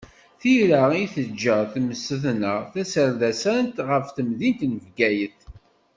Tira i d-teǧǧa temsedna-taserdasant ɣef temdint n Bgayet.